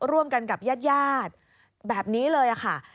ร่วมกันกับญาติแบบนี้เลยค่ะ